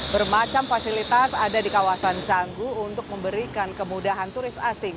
bermacam fasilitas ada di kawasan canggu untuk memberikan kemudahan turis asing